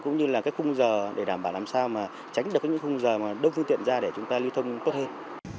cũng như là cái khung giờ để đảm bảo làm sao mà tránh được những khung giờ mà đông phương tiện ra để chúng ta lưu thông tốt hơn